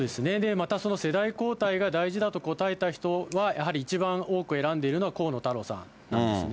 またその世代交代が大事だと答えた人は、やはり一番多く選んでいるのは、河野太郎さんなんですね。